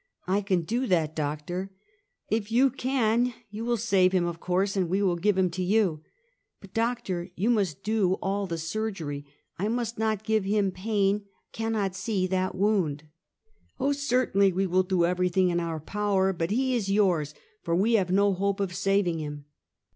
" I can do that, doctor." " If you can you will save him, of course, and we will give him to you." "But, doctor, you must do all the surgery. I must not give him pain; cannot see that wound." " Oh, certainly, we will do everything in our power; but he is yours, for we have no hope of saving him."